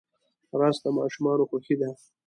رس د ماشومانو خوښي ده